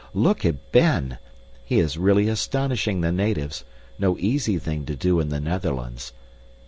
Look at Ben! He is really astonishing the natives; no easy thing to do in the Netherlands.